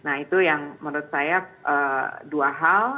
nah itu yang menurut saya dua hal